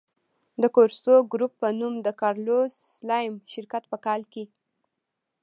د کورسو ګروپ په نوم د کارلوس سلایم شرکت په کال کې.